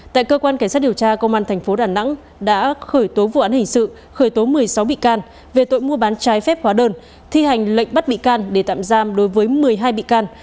tại cơ quan cảnh sát điều tra công an tp đà nẵng đã khởi tố vụ án hình sự khởi tố một mươi sáu bị can về tội mua bán trái phép hóa đơn thi hành lệnh bắt bị can để tạm giam đối với một mươi hai bị can